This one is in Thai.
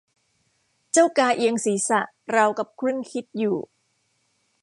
เจ้ากาเอียงศีรษะราวกับครุ่นคิดอยู่